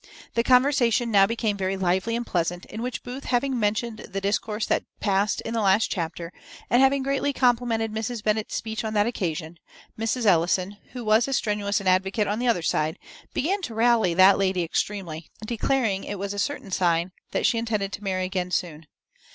The conversation now became very lively and pleasant, in which Booth having mentioned the discourse that passed in the last chapter, and having greatly complimented Mrs. Bennet's speech on that occasion, Mrs. Ellison, who was as strenuous an advocate on the other side, began to rally that lady extremely, declaring it was a certain sign she intended to marry again soon.